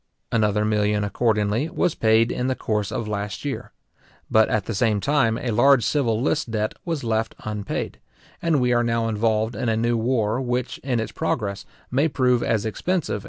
Another million, accordingly, was paid in the course of last year; but at the same time, a large civil list debt was left unpaid, and we are now involved in a new war, which, in its progress, may prove as expensive as any of our former wars.